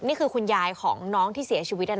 คุณยายของน้องที่เสียชีวิต